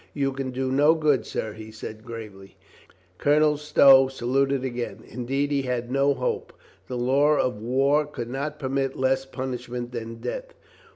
"You can do no good, sir," he said gravely. Colonel Stow saluted again. Indeed, he had no hope. The law of war could not permit less punish ment than death.